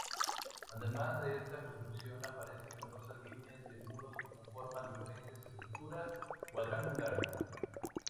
Además de esta construcción, aparecen numerosas líneas de muros que conforman diferentes estructuras cuadrangulares.